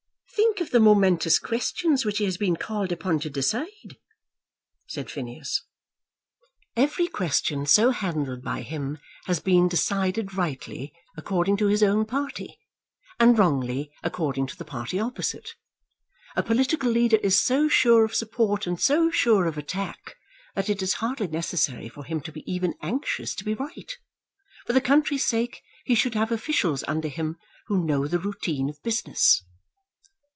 "Think of the momentous questions which he has been called upon to decide," said Phineas. "Every question so handled by him has been decided rightly according to his own party, and wrongly according to the party opposite. A political leader is so sure of support and so sure of attack, that it is hardly necessary for him to be even anxious to be right. For the country's sake, he should have officials under him who know the routine of business."